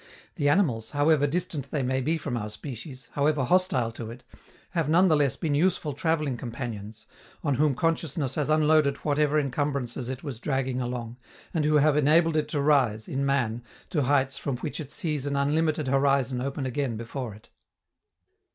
The animals, however distant they may be from our species, however hostile to it, have none the less been useful traveling companions, on whom consciousness has unloaded whatever encumbrances it was dragging along, and who have enabled it to rise, in man, to heights from which it sees an unlimited horizon open again before it.